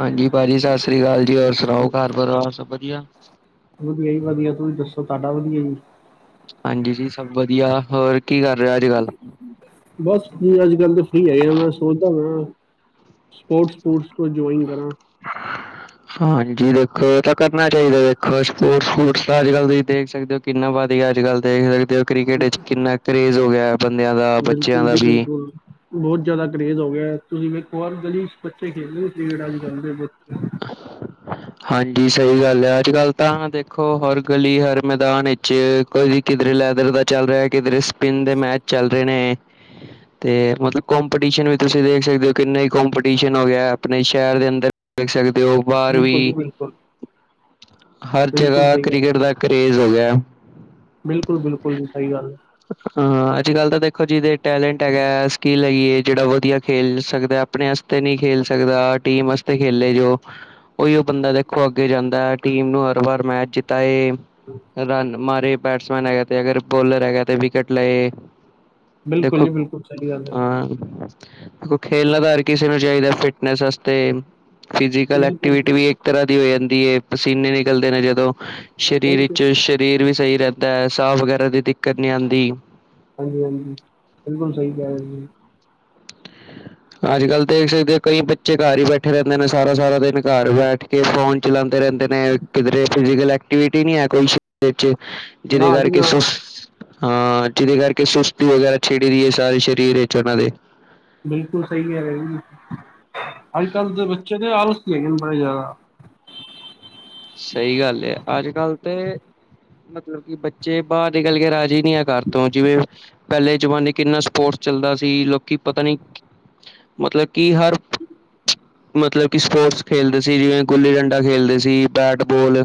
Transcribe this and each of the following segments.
ਹਾਂਜੀ ਭਾਜੀ, ਸਤਿ ਸ੍ਰੀ ਅਕਾਲ ਜੀ, ਹੋਰ ਸੁਣਾਓ ਘਰ ਪਰਿਵਾਰ ਸਭ ਵਧੀਆ? ਵਧੀਆਂ ਜੀ ਵਧੀਆਂ, ਤੁਸੀਂ ਦੱਸੋ ਤੁਹਾਡਾ ਵਧੀਆ ਜੀ? ਹਾਂਜੀ ਜੀ, ਸਭ ਵਧੀਆ ਹੋਰ ਕੀ ਕਰ ਰਿਹਾ ਅੱਜ ਕੱਲ੍ਹ? ਬਸ ਜੀ ਅੱਜ-ਕੱਲ ਤਾਂ ਫ੍ਰੀ ਹੈਗੇ ਆ, ਮੈਂ ਸੋਚਦਾ ਪਿਆ ਸਪੋਰਟਸ ਸਪੋਰਟਸ ਕੋ ਜੁਆਇਨ ਕਰਾਂ। ਹਾਂਜੀ ਦੇਖੋ, ਇਹ ਤਾਂ ਕਰਨਾ ਚਾਹੀਦਾ ਵੇਖੋ ਸਪੋਰਟ ਸਪੁਟ ਅੱਜ-ਕੱਲ ਤੁਸੀਂ ਦੇਖ ਸਕਦੇ ਹੋ ਕਿੰਨਾ ਵਧ ਗਿਆ ਅੱਜ-ਕੱਲ੍ਹ ਦੇਖ ਸਕਦੇ ਹੋ, ਕ੍ਰਿਕਟ ਕਿੰਨਾ ਕਰੇਜ਼ ਹੋ ਗਿਆ। ਬੰਦਿਆਂ ਦਾ, ਬੱਚਿਆਂ ਬਿਲਕੁਲ ਦਾ ਜੀ ਵੀ। ਬਿਲਕੁਲ ਬਹੁਤ ਜ਼ਿਆਦਾ ਕਰੇਜ ਹੋ ਗਿਆ। ਤੁਸੀਂ ਵੇਖੋ ਬਾਰ ਗਲੀ ਚ ਬੱਚੇ ਖੇਡਦੇ ਐ ਕ੍ਰਿਕਟ ਅੱਜ-ਕੱਲ੍ਹ ਦੇ ਬ ਹਾਂਜੀ ਸਹੀ ਗੱਲ ਐ, ਅੱਜ-ਕੱਲ ਤਾਂ ਦੇਖੋ ਹਰ ਗਲੀ, ਹਰ ਮੈਦਾਨ ਕੋਈ ਕਿਧਰੇ ਲੈਦਰ ਦਾ ਚੱਲ ਰਿਹਾ, ਕਿਧਰੇ ਸਪਿਨ ਦੇ ਮੈਚ ਚੱਲ ਰਹੇ ਨੇ। ਤੇ ਮਤਲਬ ਕੋਂਪੀਟੀਸ਼ਨ ਵੀ ਤੁਸੀਂ ਦੇਖ ਸਕਦੇ ਹੋ, ਕਿੰਨੇ ਹੀ ਕੋਂਪੀਟੀਸ਼ਨ ਹੋ ਗਿਆ, ਆਪਣੇ ਸ਼ਹਿਰ ਦੇ ਅੰਦਰ ਦੇਖ ਸਕਦੇ ਹੋ ਬਾਹਰ ਬਿਲਕੁਲ ਜੀ ਵੀ, ਬਿਲਕੁਲ ਹਰ ਬਿਲਕੁਲ ਜਗ੍ਹਾ ਸਹੀ ਕ੍ਰਿਕਟ ਦਾ ਕਰੇਜ਼ ਹੋ ਗਿਆ। ਬਿਲਕੁਲ-ਬਿਲਕੁਲ ਜੀ, ਸਹੀ ਗੱਲ ਐ। ਹਾਂ, ਅੱਜ-ਕੱਲ੍ਹ ਤਾਂ ਦੇਖੋ ਜੀ ਦੇ ਟੈਲੈਂਟ ਹੈਗਾ ਸਕਿੱਲ ਹੈਗੀਏ, ਜਿਹੜਾ ਵਧੀਆ ਖੇਲ ਸਕਦਾ ਬ ਆਪਣੇ ਆਤੇ ਨਹੀਂ ਖੇਲ ਸਕਦਾ, ਟੀਮ ਵਾਸਤੇ ਖੇਲੇ ਜੋ। ਉਹੀ ਉਹ ਬੰਦਾ ਦੇਖੋ ਅੱਗੇ ਜਾਂਦਾ, ਟੀਮ ਨੂੰ ਹਰ ਵਾਰ ਮੈਚ ਜਿਤਾਏ। ਹੂੰ। ਰਨ ਮਾਰੇ ਬੈਟਸਮੈਨ ਹੈਗਾ ਤੇ ਅਗਰ ਬੋਲਰ ਹੈਗਾ ਤੇ ਵਿਕਟ ਲਏ। ਬਿਲਕੁਲ ਦੇਖੋ, ਜੀ ਬਿਲਕੁਲ ਸਹੀ ਗੱਲ ਹੈ ਹਾਂ। ਦੇਖੋ ਖੇਲਣਾ ਦਾ ਹਰ ਕਿਸੇ ਨੂੰ ਚਾਹੀਂਦਾ, ਫਿਟਨਸ ਆਤੇ ਫਿਜੀਕਲ ਬਿਲਕੁਲ ਐਕਟੀਵਿਟੀ ਵੀ ਤਰ੍ਹਾਂ ਦੀ ਹੋ ਜਾਂਦੀ ਏ, ਪਸੀਨੇ ਨਿਕਲਦੇ ਨੇ ਜਦੋਂ ਸਰੀਰ ਉਹੀ ਤੇ ਵਿੱਚ ਸ ਸਰੀਰ ਵੀ ਸਈ ਰੈਂਦਾ। ਸਾਹ ਵਗੈਰਾ ਦੀ ਦਿੱਕਤ ਨੀ ਆਂਦੀ। ਹਾਂਜੀ-ਹਾਂਜੀ, ਬਿਲਕੁਲ ਸਈ ਕੈ ਰੇ ਓ ਤੁਸੀ। ਅੱਜ-ਕੱਲ ਦੇਖ ਸਕਦੇ ਆਂ, ਕਈ ਬੱਚੇ ਘਰ ਈ ਬੈਠੇ ਰੈਂਦੇ ਨੇ ਸਾਰਾ-ਸਾਰਾ ਦਿਨ ਘਰ ਬੈਠ ਕੇ ਫੋਨ ਚਲਾਂਦੇ ਰੈਂਦੇ ਨੇ ਕਿਧਰੇ ਫਿਜੀਕਲ ਐਕਟੀਵਿਟੀ ਨੀ ਐ ਕੋਈ ਸਰੀਰ ਚ ਜੀਦੇ ਨਾ ਜੀ ਕਰਕੇ ਨਾ ਸੁ ਹਾਂ, ਜਿਦੇ ਕਰਕੇ ਸੁਸਤੀ ਵਗੈਰਾ ਛੀੜੀ ਵੀ ਐ ਸਾਰੇ ਸਰੀਰ ਵਿੱਚ ਓਨਾਂ ਦੇ। ਬਿਲਕੁੱਲ ਸਈ ਹੈਗਾ ਜੀ, ਅੱਜ-ਕੱਲ੍ਹ ਦੇ ਬੱਚੇ ਦੇ ਆਲਸੀ ਹੈਗੇ ਨੇ ਬੜੇ ਜਾਦਾ। ਸਈ ਗੱਲ ਆ। ਅੱਜ-ਕੱਲ ਤੇ ਮਤਲਬ ਕੀ ਬ ਚੇ ਬਾਰ ਨਿਕਲ ਕੇ ਰਾਜ਼ੀ ਨੀ ਆ ਘਰ ਤੋਂ ਜਿਵੇਂ ਪੈਲੇ ਜ਼ਮਾਨੇ ਕਿੰਨਾ ਸਪੋਰਟਸ ਚੱਲਦਾ ਸੀ ਲੋਕੀ ਪਤਾ ਨੀ ਮਤਲਬ ਕੀ ਹਰ ਮਤਲਬ ਕਿ ਸਪੋਰਟਸ ਖੇਲਦੇ ਸੀ, ਜਿਵੇਂ ਗੁੱਲੀ ਡੰਡਾ ਖੇਲਦੇ ਸੀ, ਬੈਟਬੋਲ।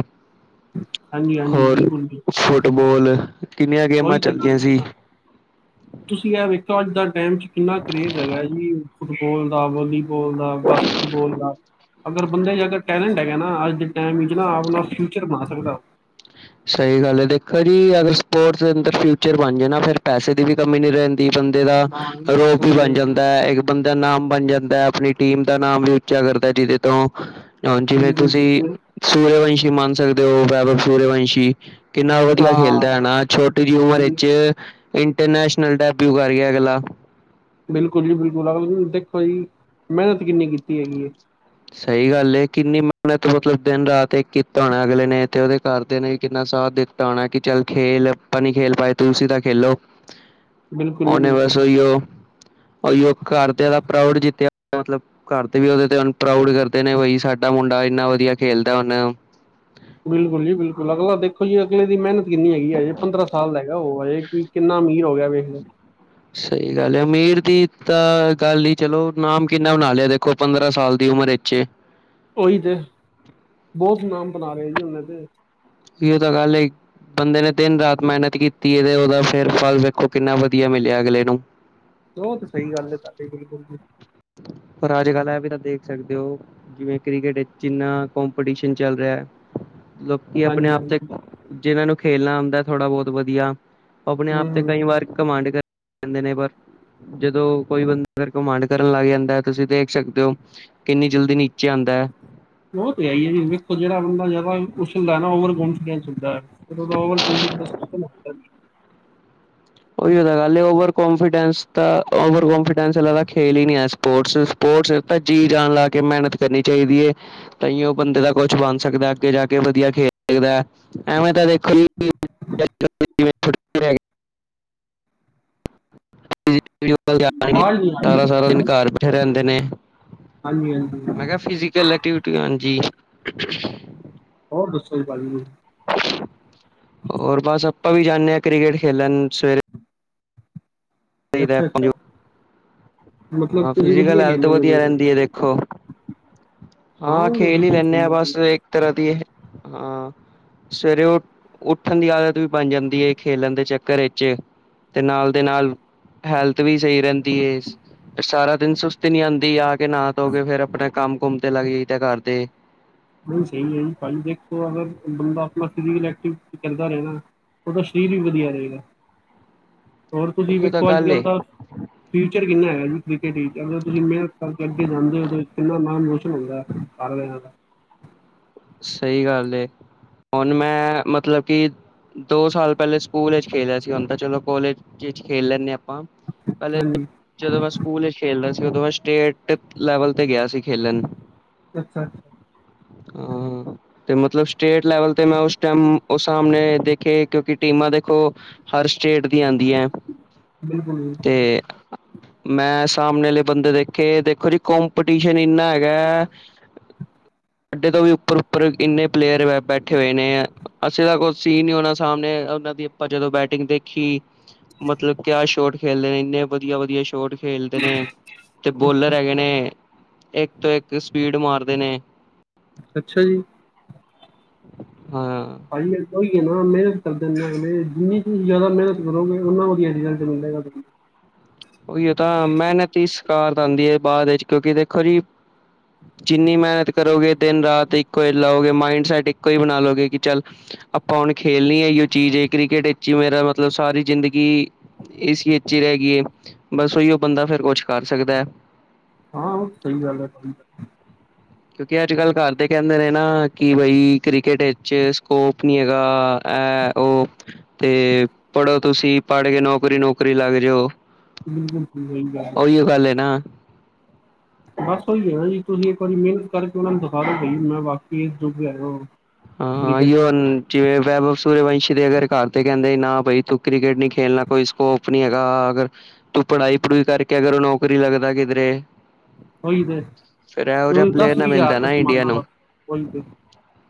ਹਾਂਜੀ ਹਾਂਜੀ ਹੋਰ ਬਿਲਕੁਲ ਜੀ ਫੁੱਟਬਾਲ, ਕਿੰਨੀਆਂ ਗੇਮਾਂ ਉਹੀ ਤੇ ਗੱਲ ਚੱਲਦੀਆਂ ਸੀ। ਆ। ਤੁਸੀਂ ਐ ਵੇਖੋ ਅੱਜ ਦਾ ਟੈਮ ਚ ਕਿੰਨਾ ਕਰੇਜ ਹੈਗਾ ਜੀ ਫੁੱਟਬਾਲ ਦਾ ਵੋਲੀ ਬੋਲ ਦਾ, ਬਾਸਕਿਟ ਬੋਲ ਦਾ ਅਗਰ ਬੰਦੇ ਚ ਅਗਰ ਟੈਲੈਂਟ ਹੈਗਾ ਨਾ ਅੱਜ ਦੇ ਟੈਮ ਵਿਚ ਨਾ, ਆਪਣਾ ਫਿਊਚਰ ਬਣਾ ਸਕਦਾ। ਸਈ ਗੱਲ ਐ, ਦੇਖੋ ਜੀ, ਅਗਰ ਸਪੋਰਟਸ ਦੇ ਅੰਦਰ, ਫਿਊਚਰ ਬਣ ਜੇ ਨਾ ਫੇਰ, ਪੈਸੇ ਦੀ ਵੀ ਕਮੀ ਨੀ, ਰੈਂ ਦੀ, ਬੰਦੇ ਦਾ ਰੋਬ, ਈ ਬਣ ਬਿਲਕੁਲ, ਜਾਂਦਾ ਏ। ਦੈ, ਇੱਕ ਬੰਦਾ ਦਾ ਨਾਮ ਬਣ ਜਾਂਦਾ। ਆਪਣੀ ਟੀਮ ਦਾ ਨਾਮ ਵੀ, ਉੱਚਾ ਕਰਦਾ। ਜਿਦੇ ਤੋਂ ਹੁਣ ਜਿਵੇਂ ਤੁਸੀਂ, ਬਿਲਕੁਲ ਸੂਰਯਵੰਸ਼ੀ ਮੰਨ ਸਕਦੇ ਓ, ਵੈਬਵ ਸੂਰਯਵੰਸ਼ੀ। ਕਿੰਨਾ ਵਧੀਆ ਖੇਲਦਾ ਹਾਂ। ਹੈ, ਨਾ। ਛੋਟੀ ਜੀ ਉਮਰ ਵਿੱਚ। ਇੰਟਰਨੈਸ਼ਨਲ ਡੈਬਿਊ, ਕਰ ਗਿਆ ਅਗਲਾ। ਬਿਲਕੁੱਲ ਜੀ ਬਿਲਕੁੱਲ। ਅਗਲੇ ਨੇ ਦੇਖੋ ਜੀ, ਮਿਹਨਤ ਕਿੰਨੀ ਕੀਤੀ ਹੈਗੀ ਏ। ਸਹੀ ਗੱਲ ਏ। ਕਿੰਨੀ ਮਿਹਨਤ, ਮਤਲਬ ਦਿਨ ਰਾਤ ਇੱਕ ਕੀਤਾ ਹੋਣਾ। ਅਗਲੇ ਨੇ ਤੇ, ਓਦੇ ਘਰਦੇ ਨੇ ਵੀ ਕਿੰਨਾ ਸਾਥ। ਦਿੱ ਤਾ, ਹੋਣਾ ਕਿ ਚੱਲ ਖੇਲ, ਆਪਾਂ ਨੀ ਖੇਲ ਪਾਏ। ਤੁਸੀਂ ਤਾਂ ਖੇਲੋ। ਬਿਲਕੁਲ ਜੀ ਓਨੇ, ਬਿਲਕੁਲ। ਬਸ ਓਈਓ। ਓਈਓ ਘਰ ਤੇ ਓਦਾ ਪ੍ਰਾਊਡ, ਜਿੱਤਿਆ ਮਤਲਬ ਘਰ ਦੇ ਵੀ ਓਦੇ ਤੇ। ਹੁਣ ਪ੍ਰਾਊਡ ਕਰਦੇ ਨੇ। ਬਈ ਸਾਡਾ ਮੁੰਡਾ ਇੰਨਾ, ਵਧੀਆ ਖੇਲਦਾ ਹੁਨ। ਬਿਲਕੁੱਲ ਜੀ ਬਿਲਕੁੱਲ। ਅਗਲਾ ਦੇਖੋ ਜੀ, ਅਗਲੇ ਦੀ ਮਿਹਨਤ ਕਿੰਨੀ ਹੈਗੀ ਆ। ਪੰਦਰਾਂ ਸਾਲ ਦਾ ਹੈਗਾ। ਓ ਹਜੇ ਕੋਈ ਕਿੰਨਾ, ਅਮੀਰ ਹੋ ਗਿਆ ਵੇ। [inaudible] ਸਈ ਗੱਲ ਐ। ਅਮੀਰ ਦੀ ਤਾਂ ਗੱਲ ਈ, ਚਲੋ ਨਾਮ ਕਿੰਨਾ ਬਣਾ ਲਿਆ। ਦੇਖੋ ਪੰਦਰਾਂ ਸਾਲ ਦੀ ਉਮਰ ਵਿੱਚ ਏ। ਓ ਈ ਤੇ, ਬੋਤ ਨਮ ਬਣਾ, ਲਿਆ ਜੀ। ਓਨੇ ਤੇ। ਏ ਈ ਓ, ਤਾਂ ਗੱਲ ਏ। ਬੰਦੇ ਨੇ ਦਿਨ- ਰਾਤ ਮਿਹਨਤ ਕੀ ਤੀ, ਏ ਓਦਾ ਫੇਰ ਫਲ ਦੇਖੋ, ਕਿੰਨਾ ਵਧੀਆ ਮਿਲਿਆ ਅਗਲੇ ਨੂੰ। ਬਹੁਤ ਸਈ ਗੱਲ ਐ। ਤੁਹਾਡੀ, ਬਿਲਕੁਲ ਜੀ। ਪਰ ਅੱਜ ਕੱਲ, ਐ ਵੀ ਤਾਂ ਦੇਖ, ਸਕਦੇ ਓ। ਜਿਵੇਂ ਕ੍ਰਿਕਟ ਵਿਚ, ਇਨਾ ਕੌਮਪੀਟੀਸ਼ਨ ਚੱਲ ਰਿਹਾ ਐ। ਲੋਕੀ ਆਪਣੇ ਹਾਂਜੀ ਆਪ ਤੇ, ਹਾਂਜੀ ਜਿਨਾਂ ਨੂੰ ਖੇਲਣਾ ਆਂਦਾ। ਥੋੜਾ ਬੋਤ ਵਧੀਆ। ਆਪਣੇ ਆਪ ਤੇ, ਹੂੰ ਕਈ ਵਾਰ ਕਮਾਂਡ। ਕਰਦੇ ਨੇ ਪਰ, ਜਦੋਂ ਕੋਈ ਬੰਦਾ [unintelligible] ਕਮਾਂਡ ਕਰਨ ਲੱਗ ਜਾਂਦਾ ਐ। ਤੁਸੀਂ ਦੇਖ ਸਕਦੇ ਓ ਕਿੰਨੀ ਜਲਦੀ ਨੀਚੇ ਆਂਦਾ ਹੈ। ਓ ਤਾਂ ਹੈ ਈ ਐ। ਜੀ ਵੇਖੋ ਜੇੜਾ ਬੰਦਾ ਜਾਦਾ, ਉਛਲਦਾ ਨਾ। ਓਵਰ ਕੋਂਫੀਡੈਂਸ ਹੁੰਦਾ। ਫੇਰ ਓਦਾ ਓਵਰ ਕੌਨਫੀਡੈਂਸ ਖਤਮ ਹੁੰਦਾ ਹੀ ਐ। ਓਹੀਓ ਤਾਂ ਗੱਲ ਏ। ਓਵਰ ਕੋਂਫੀਡੈਂਸ ਤਾਂ, ਓਵਰ ਕੋਂਫੀਡੈਂਸ ਦਾ ਤਾਂ, ਖੇਲ ਈ ਨੀ ਐ। ਸਪੋਰਟਸ। ਸਪੋਰਟਸ ਤਾਂ, ਜੀ- ਜਾਨ ਲਾ ਕੇ। ਮਿਹਨਤ ਕਰਨੀ ਚਾਈਦੀ ਏ। ਤਾਂਈਓ ਬੰਦੇ ਦਾ, ਕੁੱਛ ਬਣ ਸਕਦਾ। ਅੱਗੇ ਜਾ ਕੇ ਵਧੀਆ ਖੇਡ ਸਕਦਾ ਐ। ਐੈਂਵੇਂ ਤਾਂ ਦੇਖੋ ਜੀ [inaudible] [unintelligible] ਆਵਾਜ਼ ਨਹੀਂ ਆ ਰਹੀ ਸਾਰਾ-ਸਾਰਾ ਦਿਨ ਘਰ ਬੈਠੇ ਰੈਂਦੇ ਨੇ। ਹਾਂਜੀ- ਹਾਂਜੀ। ਫਿਜੀਕਲ, ਐਕੀਵਿਟੀ ਹਾਂਜੀ। ਹੋਰ ਦੱਸੋ ਜੀ, ਭਾਜੀ। ਹੋਰ ਬਸ, ਆਪਾਂ ਵੀ ਜਾਂਨੇ ਆਂ। ਕ੍ਰਿਕਟ ਖੇਲਣ ਸਵੇਰੇ। ਚਾਹੀਦਾ ਅੱਛਾ- ਆਪਾਂ ਅੱਛਾ। ਨੂੰ ਮਤਲਬ ਹਾਂ, ਤੁਸੀਂ ਫਿਜੀਕਲ ਵਧੀਆ ਹੈਲਥ, ਵਧੀਆ ਖੇਲੋਗੇ ਫਿਰ ਰੈਂਦੀ ਐ ਦੇਖੋ। ਹਾਂ, ਖੇਲ ਈ ਬਿਲਕੁਲ ਲੈਂਨੇ ਸਹੀ ਆ। ਗੱਲ ਹੈ ਬਸ ਇੱਕ, ਤਰਾਂ ਦੀ ਏ। ਹਾਂ। ਸਵੇਰੇ ਉਠ, ਉੱਠਣ ਦੀ ਆਦਤ ਵੀ, ਬਣ ਜਾਂਦੀ ਏ। ਖੇਲਣ ਦੇ ਚੱਕਰ ਵਿੱਚ। ਤੇ ਨਾਲ ਦੇ ਨਾਲ। ਹੈਲਥ ਵੀ ਸਈ ਰੈਂਦੀ ਏ। ਸਾਰਾ ਦਿਨ ਸੁਸਤੀ ਨੀ ਆਂਦੀ। ਆ ਕੇ ਨਾ- ਧੋ ਕੇ ਫੇਰ ਆਪਣੇ। ਕੰਮ- ਕੁੁੰਮ ਤੇ ਲੱਗ ਜਾਈ, ਦਾ ਘਰ ਦੇ। ਨਈ, ਸਈ ਏ। ਪੈਲੇ ਦੇਖੋ ਅਗਰ, ਬੰਦਾ ਆਪਣਾ ਫਿਜੀ ਐਕਟੀਵਿਟੀ, ਕਰਦਾ ਰਏ ਨਾ। ਓਦਾ ਸਰੀਰ ਵੀ, ਵਧੀਆ ਰਏਗਾ। [inaudible] ਹੋਰ ਤੁਸੀਂ ਉਹੀ ਤਾਂ ਵੇਖੋ, ਅੱਜ ਗੱਲ ਕਲ ਏ ਦਾ। ਫਿਊਚਰ ਕਿੰਨਾ ਹੈਗਾ ਜੀ। ਕ੍ਰਿਕਟ ਚ ਅਗਰ, ਤੁਸੀਂ ਮੇਨਤ ਕਰਕੇ, ਅੱਗੇ ਜਾਂਦੇ ਓ ਕਿੰਨਾ ਨਾਮ, ਰੋਸ਼ਨ ਹੁੰਦਾ ਐ। ਕਰ ਰਿਆਂ। ਸਈ ਗੱਲ ਏ। ਹੁਣ ਮੈਂ ਮਤਲਬ ਕੀ। ਦੋ ਸਾਲ ਪੈਲੇ ਸਕੂਲ ਵਿਚ ਖੇਲਦਾ ਸੀ। ਹੁਣ ਤਾਂ ਚਲੋ ਕੋਲਜ ਚ ਖੇਲ ਲੈਂਦੇ ਆਪਾਂ। ਪੈਲੇ ਹਾਂਜੀ ਜਦੋਂ ਮੈਂ ਸਕੂਲ ਵਿੱਚ ਖੇਡਦਾ ਸੀ। ਓਦੋਂ ਮੈਂ ਸਟੇਟ ਤੇ ਲੈਵਲ ਤੇ ਗਿਆ ਸੀ ਖੇਲਣ। ਅੱਛਾ ਹਾਂ ਤੇ ਮਤਲਬ ਸਟੇਟ ਲੈਵਲ ਤੇ ਮੈਂ ਓਸ ਟੈਮ ਓ ਸਾਮਣੇ ਦੇਖੇ ਕਿ ਟੀਮਾਂ ਦੇਖੋ ਹਰ ਸਟੇਟ ਦੀਆਂ ਆਂਦੀਆਂ। ਬਿਲਕੁਲ ਤੇ ਬਿਲਕੁਲ ਮੈਂ ਸਾਮਣੇ ਅਲੇ ਬੰਦੇ ਦੇਖੇ ਦੇਖੋ ਜੀ ਕੰਪੀਟੀਸ਼ਨ ਏਨਾ ਹੈਗਾ। ਸਾਡੇ ਤੋਂ ਵੀ ਉੱਪਰ ਉੱਪਰ ਏਨੇ ਪਲੇਅਰ ਵ ਬੈਠ ਕੱਠੇ ਹੋਏ ਨੇ ਐ। ਅਸੀਂ ਤਾਂ ਕੋ ਸੀ ਨੀ ਓਨਾ ਸਾਮਣੇ ਉਨਾਂ ਦੀ ਆਪਾਂ ਜਦੋਂ ਬੈਟਿੰਗ ਦੇਖੀ। ਮਤਲਬ ਕਿਆ ਸ਼ੋਰਟ ਖੇਲੇ ਏਨੇ ਵਧੀਆ ਵਧੀਆ ਸ਼ੋਟ ਖੇਲਦੇ ਨੇ ਤੇ ਬੋਲਰ ਅੱਛਾ ਐਗੇ ਨੇ ਇੱਕ ਤੋਂ ਇੱਕ ਸਪੀਡ ਮਾਰਦੇ ਨੇ। ਅੱਛਾ ਜੀ ਹਾਂ ਭਾਜੀ ਓਈ ਏ ਨਾ ਮੇਨਤ ਕਰਦੇ ਨੇ ਅਗਲੇ ਜਿੰਨੀ ਚ ਜ਼ਾਦਾ ਮੇਨਤ ਕਰੋਗੇ ਓਨਾ ਵਧੀਆ ਰਿਜਲਟ ਮਿਲੇਗਾ ਤਾਨ ਓਈ ਓ ਤਾਂ ਮੇਨਤ ਈ ਸਕਾਰਤ ਆਂਦੀ ਏ ਬਾਦ ਵਿੱਚ ਕਿਉਂਕਿ ਦੇਖੋ ਜੀ। ਜਿੰਨੀ ਮੇਨਤ ਕਰੋਗੇ ਦਿਨ ਰਾਤ ਇੱਕੋ ਈ ਲਓਗੇ ਮਾਈੰਡ ਸੈਟ ਇੱਕੋ ਈ ਬਣਾ ਲਓਗੇ ਕੀ ਚੱਲ ਆਪਾਂ ਹੁਣ ਖੇਲਣੀ ਏਈ ਓ ਚੀਜ਼ ਏ ਕ੍ਰਿਕਟ ਵਿੱਚ ਈ ਮੇਰਾ ਮਤਲਬ ਸਾਰੀ ਜ਼ਿੰਦਗੀ ਇਸ ਏਚ ਵਿਚ ਈ ਰੈ ਗਈ ਏ। ਬਸ ਓਈ ਓ ਬੰਦਾ ਫੇਰ ਕੁਛ ਕਰ ਸਕਦਾ ਐ। ਹਾਂ ਸਈ ਗੱਲ ਐ। ਸਈ ਗੱਲ ਕਿਉਂਕਿ ਅੱਜ ਕੱਲ੍ਹ ਘਾਰਦੇ ਕੇਂਦੇ ਨੇ ਨਾ ਕਿ ਬਈ ਕ੍ਰਿਕਟ ਵਿੱਚ ਸਕੋਪ ਕੀ ਹੈਗਾ ਐ ਓ। ਤੇ ਪੜ੍ਹੋ ਤੁਸੀਂ ਪੜ੍ਹ ਕੇ ਨੌਕਰੀ ਨੁਕਰੀ ਲੱਗ ਜਓ। ਬਿਲਕੁਲ ਸਈ ਗੱਲ ਐ। ਏਈ ਓ ਗੱਲ ਐ ਨਾ। ਬਸ ਓਈ ਓ ਨਾ ਜੀ ਤੁਸੀਂ ਇੱਕ ਵਾਰੀ ਮੇਨਤ ਕਰਕੇ ਉਨਾ ਨੂੰ ਦਖਾ ਦੋ ਬਈ ਮੈਂ ਵਾਕਈ ਏਸ ਜੋਗਾ ਹੈਗਾ ਆਂ। ਹਾਂ [unintelligible] ਜਿਵੇਂ ਵੇਬਵ ਸੁਰੇਵੰਸ਼ੀ ਦੇ ਅਗਰ ਘਰ ਤੇ ਕੇਂਦੇ ਨਾ ਬਾਈ ਤੂੰ ਕ੍ਰਿਕਟ ਨੀ ਖੇਲਣਾ। ਕੋਈ ਸਕੋਪ ਨੀ ਹੈਗਾ ਅਗਰ ਤੂੰ ਪੜ੍ਹਾਈ ਪੜੂਈ ਕਰਕੇ ਅਗਰ ਨੌਕਰੀ ਲੱਗਦਾ ਕਿਧਰੇ। ਉਹੀ ਤੇ ਫੇਰ ਏਹੋ ਜਿਆ ਪਲੇਅਰ ਨਾਲ ਮਿਲਦਾ ਨਾ ਇੰਡੀਆ ਨੂੰ। ਓਈ ਤੇ।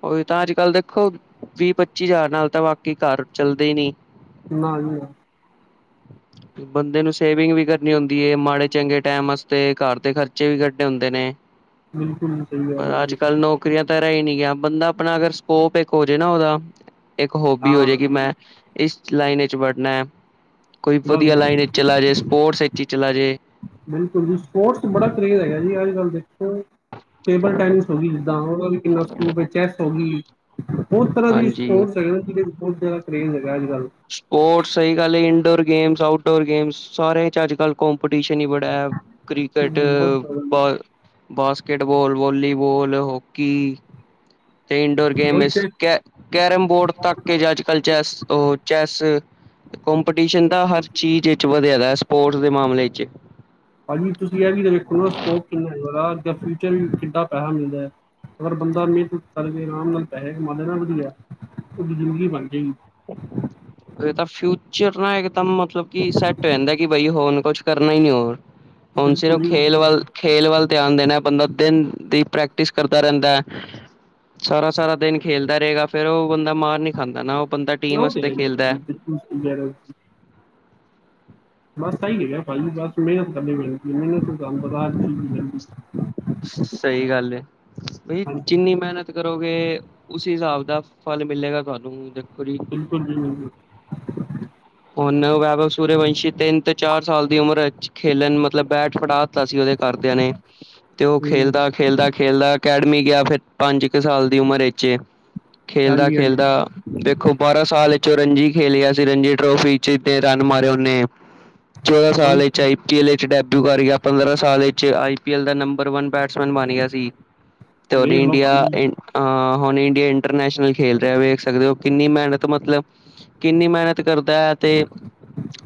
ਓਈ ਤਾਂ ਅੱਜ ਕੱਲ੍ਹ ਦੇਖੋ ਵੀਹ ਪੱਚੀ ਜ਼ਾਰ ਨਾਲ ਤਾਂ ਵਾਕਈ ਘਰ ਚੱਲਦੇ ਈ ਨੀ। ਨਾ ਹ ਬੰਦੇ ਨੂੰ ਸੇਵਿੰਗ ਵੀ ਕਰਨੀ ਹੁੰਦੀ ਹੈ ਮਾੜੇ ਚੰਗੇ ਟਾਈਮ ਵਾਸਤੇ ਘਰ ਦੇ ਖਰਚੇ ਵੀ ਕੱਢੇ ਹੁੰਦੇ ਨੇ ਬਿਲਕੁਲ ਸਹੀ ਕਹਿ ਪਰ ਰਹੇ ਹੋ ਅੱਜ ਤੁਸੀਂ ਕੱਲ੍ਹ ਨੌਕਰੀਆਂ ਤਾਂ ਰਹਿ ਹੀ ਨਹੀਂੀ ਗਿਆ ਬੰਦਾ ਆਪਣਾ ਅਗਰ ਸਕੋਪ ਇੱਕ ਹੋ ਜਾੇ ਨਾ ਉਹਦਾ ਇੱਕ ਹੋਬੀ ਹਾਂ ਹੋਜੇ ਕਿ ਮੈਂ ਇਸ ਲਾਈਨ ਵਿੱਚ ਵੜਨਾ ਹੈ ਕੋਈ ਬਸ ਵਧੀਆ ਬਸ ਲਾਈਨ ਚਲਾ ਜੇ ਸਪੋਰਟਸ ਵਿੱਚ ਹੀ ਚਲਾ ਜੇ ਬਿਲਕੁਲ ਜੀ ਸਪੋਰਟਸ ਬੜਾ ਕਰੇਜ਼ ਹੈਗਾ ਜੀ ਅੱਜ ਕੱਲ੍ਹ ਦੇਖੋ ਟੇਬਲ ਟੈਨਿਸ ਹੋ ਗਈ ਹੈੀ ਦ ਉਹ ਕਿੰਨਾ ਸਕੋਪ ਹੈ ਚੈਸ ਹੋ ਗਈ ਬਹੁਤ ਤਰ੍ਹਾਂ ਦੀ ਹਾਂਜੀ ਸਪੋਰਟਸ ਹੈਗੇ ਨਾ ਜਿਹੜੇ ਬਹੁਤ ਜ਼ਿਆਦਾ ਕਰੇਜ਼ ਹੈਗਾ ਅੱਜੱਲ੍ਹ ਸਪੋਰਟਸ ਸਹੀ ਗੱਲ ਇੰਡੋਰ ਗੇਮਸ ਆਊਟਡੋਰ ਗੇਮਸ ਸਾਰਿਆਂ ਚ ਅੱਜ ਕੱਲ ਕੋਂਪਟੀਸ਼ਨ ਹੀ ਬੜਾ ਹੈ ਕ੍ਰਿਕਟ ਹਮ, ਬਹੁਤ ਬ ਜ਼ਿਆਦਾ ਬਾਸਕਿਟਬੋਾਲ ਵਾਲੀਬਾਲ ਹੋਕੀ ਤੇ ਇਨਡੋਰ ਗੇਮ ਉਹੀ ਤੇ ਕ ਕੈਰਮ ਬੋਰਡ ਤੱਕ ਕੇ ਜੇ ਅੱਜ ਕੱਲ੍ਹ ਚੈਸ ਉਹ ਚੈੱਸ ਕੰਪੀਟੀਸ਼ਨ ਦਾ ਹਰ ਚੀਜ਼ ਵਿੱਚ ਵਧਿਆਦਾ ਹੈ ਸਪੋਰਟਸ ਦੇ ਮਾਮਲੇ ਵਿੱਚ ਭਾਜੀ ਤੁਸੀਂ ਇਹ ਵੀ ਵੇਖੋ ਸਕੋਪ ਕਿੰਨਾ ਹੈ ਫਿਚਰ ਵੀ ਕਿੱਾਂ ਪੈਸਾ ਮਿਲਦਾ ਹੈ ਅਗਰ ਬੰਦਾ ਮਿਹਨਤ ਕਰਕੇ ਆਰਾਮ ਨਾਲ ਪੈਸੇ ਕਮਾ ਲ ਨਾ ਵਧੀਲਿਆ ਉਹ ਬਜ਼ੁਰਦਗੀ ਬਣ ਜਾਏਗੀ ਇਹ ਤਾਂ ਫਿਊਚਰ ਨਾ ਇੱਕਦਮ ਮਤਲਬ ਕਿ ਸੈੱਟ ਰ ਜਾਂਦਾ, ਕਿ ਬਈ ਹੋਣ ਕੁਛ ਕਰਨਾ ਹੀ ਨਹੀਂ ਹੋਰ, ਹੁਣ ਬਿਲਕੁਲ ਸਿਰਫ ਜੀ ਖੇਲ ਬਿਲਕੁਲ। ਵਲ ਖੇਲ ਵੱਲ ਧਿਆਨ ਦੇਣਾ, ਬੰਦਾ ਦਿਨ ਦੀ ਪ੍ਰੈਕਟਿਸ ਕਰਦਾ ਰਹਿੰਦਾ ਹੈ, ਸਾਰਾ ਸਾਰਾ ਦਿਨ ਖੇਲਦਾ ਰਹੇਗਾ, ਫਿਰ ਉਹ ਬੰਦਾ ਮਾਰ ਨਹੀਂ ਖਾਂਦਾ ਨਾ, ਉਹ ਬੰਦਾ ਟੀਮ ਵਾਸਤੇ ਖੇਲਦਾ। ਕੁ ਕੁ ਬਸ ਸਹੀ ਹੈਗਾ ਭਾਜੀ, ਬਸ ਮੇਹਨਤ ਕਰਨੀ ਪੈਂਦੀ, ਮੇਹਨਤ ਤੋ ਬਗੈਰ ਸਹੀ ਗੱਲ ਹੈ, ਬਈ ਜਿੰਨੀ ਮੇਹਨਤ ਕਰੋਗੇ ਉਸੀ ਹਿਸਾਬ ਦਾ ਫਲ ਮਿਲੇਗਾ ਤੁਹਾਨੂੰ, ਦੇਖੋ ਜੀ ਬਿਲਕੁਲ ਜੀ ਬਿਲਕੁਲ ਉਹਨੈ ਸੂਰਯਵੰਸ਼ੀ ਤਿੰਨ ਤੇ ਚਾਰ ਸਾਲ ਦੀ ਉਮਰ ਵਿੱਚ ਖੇਲੇਨ, ਮਤਲਬ ਬੈਟ ਫੜਾ ਤਾ ਸੀ ਉਹਦੇ ਘਰ ਦੇਆਂ ਨੇ, ਤੇ ਉਹ ਖੇਲਦਾ ਖੇਲਦਾ ਖੇਲਦਾ ਅਕੈਡਮੀ ਗਿਆ, ਫਿਰ ਪੰਜ ਕੁ ਸਾਲ ਦੀ ਉਮਰ ਵਿੱਚ, ਖੇਲਦਾ ਖੇਲਦਾ ਦੇਖੋ ਬਾਰਾਂ ਸਾਲ ਵਿੱਚੋਂ ਔ ਰਣਜੀ ਖੇਲ ਗਯਾ ਸੀ, ਰਣਜੀ ਟਰੋਫੀ ਚ, ਤੇ ਰਨ ਮਾਰੇ ਉਹਨੇ ਚੌਦਾਂ ਸਾਲ ਵਿੱਚ, ਏਹੀ ਲ ਵਿੱਚ ਡੈਬਿਊ ਕਰ ਗਿਆ, ਪੰਦਰਾਂ ਸਾਲ ਵਿੱਚ ਆਈ ਪੀ ਐਲ ਦਾ ਨੰਬਰ ਵਨ ਬੈਟਸਮੈਨ ਬਣ ਗਿਆ ਸੀ। ਤੇਰ ਹੋਰ ਇੰਡੀਆ ਅ ਹੁਣ ਇੰਡੀਆ ਇੰਟਰਨੈਸ਼ਨਲ ਖੇਲ ਰਿਹਾ, ਵੇਖ ਸਕਦੇ ਹੋ, ਕਿੰਨੀ ਮੇਹਨਤ ਮਤਲਬ, ਕਿੰਨੀ ਮੇਹਨਤ ਕਰਦਾ ਹੈ ਤੇ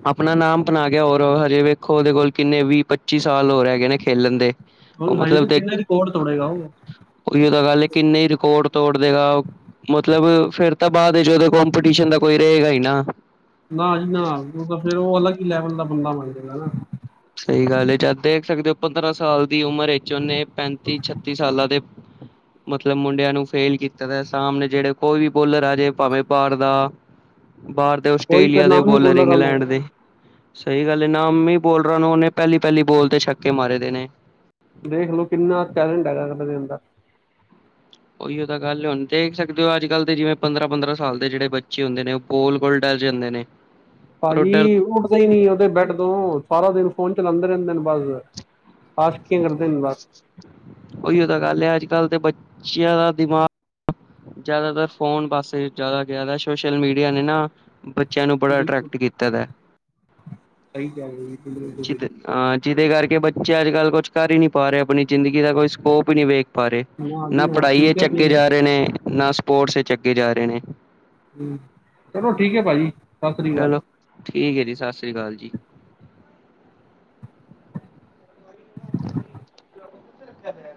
ਆਪਣਾ ਨਾਮ ਬਣਾ ਗਿਆ, ਹੋਰ ਹਜੇ ਵੇਖੋ ਉਹਦੇ ਕੋਲ ਕਿੰਨੇ ਵੀਹ ਪੱਚੀ ਸਾਲ ਹੋਰ ਹੈਗੇ ਨੇ, ਖੇਲਣ ਦੇ। ਉਹ ਹਾਜੀ ਤੂੰ ਕਿੰਨੇ ਰਿਕਾਰਡ ਤੋੜੇਗਾ ਉਹ ਉਹੀ ਉਹ ਤਾਂ ਗੱਲ ਹੈ, ਕਿੰਨੇ ਹੀ ਰਿਕਾਰਡ ਤੋੜ ਦੇਗਾ ਮਤਲਬ ਫਿਰ ਤਾਂ ਬਾਅਦ ਜਦੋਂ, ਕੋਂਪੀਟੀਸ਼ਨ ਦਾ ਕੋਈ ਰਹੇਗਾ ਹੀ ਨਾ ਨਾ ਜੀ ਨਾ ਉਹ ਤਾਂ ਫੇਰ ਉਹ ਅਲੱਗ ਹੀ ਲੈਵਲ ਦਾ ਬੰਦਾ ਬਣ ਜਾਗਾ ਨਾ। ਸਹੀ ਗੱਲ ਹੈ, ਜਦ ਦੇਖ ਸਕਦੇ ਹੋ ਪੰਦਰਾਂ ਸਾਲ ਦੀ ਉਮਰ ਵਿੱਚ ਉਹਨੇ ਪੈਂਤੀ ਛੱਤੀ ਸਾਲਾਂ ਦੇ ਮਤਲਬ ਮੁੰਡਿਆਂ ਨੂੰ ਫੇਲ ਕੀਤਾ ਦਾ, ਸਾਹਮਣੇ ਜਿਹੜੇ ਕੋਈ ਵੀ ਬੋਲਰ ਆ ਜੇ, ਭਾਵੇਂ ਬਾਹਰ ਦਾ। ਬਾਹਰ ਦੇ, ਉਹੀ ਤਾਂ ਆਸਟ੍ਰੇਲੀਆ ਦੇ ਨਾਮ ਹੀ ਬੋਲਰ ਬੋਲਾ ਤੁਹਾਨੂੰ ਇੰਗਲੈਂਡ ਦੇ ਸਹੀ ਗੱਲ ਹੈ, ਨਾਮੀ ਬੋਲਰਾਂ ਨੂੰ ਉਹਨੇ ਪਲੀ ਪਹਿਲੀ ਬੋਲ ਤੇ, ਛੱਕੇ ਮਾਰੇ ਦੇ ਨੇ। ਦੇਖ ਲਓ ਕਿੰਨਾ ਟੈਲੈਂਟ ਹੈਗਾ ਅ, ਐਦੇ ਅਦਰ। ਉਹੀਓ ਤਾਂ ਗੱਲ ਹੈ, ਹੁਣ ਦੇਖ ਸਕਦੇ ਹੋ, ਅੱਜ ਕੱਲ ਦੇ ਜਿਵੇਂ ਪੰਦਰਾਂ ਪੰਦਰਾਂ ਸਾਲ ਦੇ ਜਿਹੜੇ ਬੱਚੇ ਹੁੰਦੇ ਨੇ ਉਹ ਗੋਲ ਕੋਲ ਡਰ ਜਾਂਦੇ ਨੇ ਪਰ ਉਹ ਡਰ ਭਾਜੀ, ਉੱਠਦਾ ਹੀ ਨੀ ਉਹਦੇ ਬੈਡ ਤੋਂ, ਸਾਰਾ ਦਿਨ ਫੋਨ ਚਲਾਉਂਦੇ ਰਹਿੰਦੇ ਨੇ ਬਸ। ਆਸ਼ਕੀ ਕਰਦੇ ਨੇ, ਬਸ ਉਹੀਓ ਤਾਂ ਗੱਲ ਹੈ, ਅੱਜ ਕੱਲ੍ਹ ਦੇ ਬੱਚਿਆਂ ਦਾ ਦਿਮਾਗ ਜ਼ਿਆਦਾਤਰ ਫੋਨ ਪਾਸੇ, ਜ਼ਿਆਦਾ ਗਿਆ ਸੋਸ਼ਲ ਮੀਡੀਆ ਨੇ ਨਾ ਬੱਚਿਆਂ ਨੂੰ ਬੜਾ ਬਿਲਕੁਲ ਐਟਰੈਕਟ ਕੀਤਾ ਦਾ ਐ, ਸਹੀ ਕਹਿ ਰਹੇ ਹੋ ਜੀ, ਬਿਲਕੁਲ ਤੁਸੀਂ। ਜਿਦੇ ਹਾਂ, ਜਿਹਦੇ ਕਰਕੇ ਬੱਚੇ ਅੱਜ ਕੱਲ੍ਹ ਕੁਛ ਕਰ ਹੀ ਨਹੀ ਪਾ ਰਹੇ, ਆਪਣੀ ਜ਼ਿੰਦਗੀ ਦਾ ਕੋਈ ਸਕੋਪ ਹੀ ਨਹੀਂ ਵੇਖ ਬਾਰੇ, ਜੀ ਨਾ ਪੜ੍ਹਾਈ ਵਿੱਚ ਫਿਊਚਰ ਅੱਗੇ ਨਹੀਂ ਜਾ ਰਹੇ ਹੈ ਨੇ, ਨਾ ਸਪੋਰਟਸ ਵਿੱਚ ਅੱਗੇ ਜਾ ਰਹੇ ਨੇ। ਹੂ, ਚਲੋ ਠੀਕ ਹੈ ਭਾਜੀ, ਸਤਿ ਸ੍ਰੀ ਅਕਾਲ। ਚਲੋ ਠੀਕ ਹੈ ਜੀ, ਸਤਿ ਸ਼੍ਰੀ ਅਕਾਲ ਜੀ। [unintelligible]